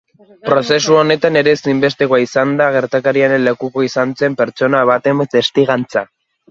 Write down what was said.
Prozesu honetan ere ezinbestekoa izan da gertakariaren lekuko izan zen pertsona baten testigantza.